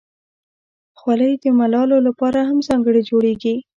خولۍ د ملالو لپاره هم ځانګړې جوړیږي.